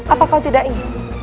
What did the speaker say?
apa kau tidak ingin